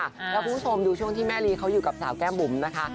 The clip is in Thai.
แล้วคุณผู้ชมดูช่วงที่แม่ลีเขาอยู่กับสาวแก้มบุ๋มนะคะ